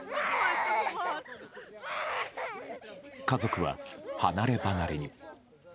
家族は、離ればなれに。